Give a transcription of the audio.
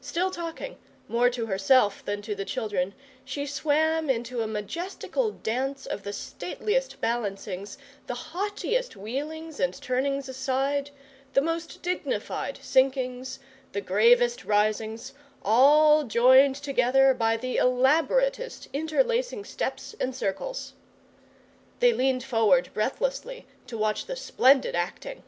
Still talking more to herself than to the children she swam into a majestical dance of the stateliest balancings, the naughtiest wheelings and turnings aside, the most dignified sinkings, the gravest risings, all joined together by the elaboratest interlacing steps and circles. They leaned forward breathlessly to watch the splendid acting.